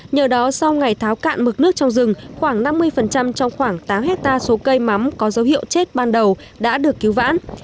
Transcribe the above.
nhờ đó sau ngày tháo cạn mực nước trong rừng khoảng năm mươi trong khoảng tám hectare số cây mắm có dấu hiệu chết ban đầu đã được cứu vãn